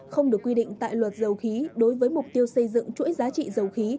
không được quy định tại luật dầu khí đối với mục tiêu xây dựng chuỗi giá trị dầu khí